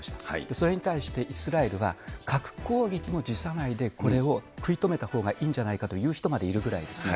それに対してイスラエルは核攻撃も辞さないで、これを食い止めたほうがいいんじゃないかと言う人までいるくらいですね。